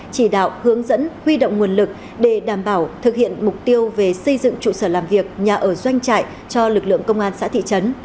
chỉ đạo hướng dẫn huy động nguồn lực để đảm bảo thực hiện mục tiêu về xây dựng trụ sở làm việc nhà ở doanh trại cho lực lượng công an xã thị trấn